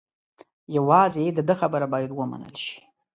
یوازې د ده خبره باید و منل شي.